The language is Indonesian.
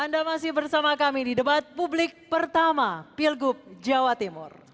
anda masih bersama kami di debat publik pertama pilgub jawa timur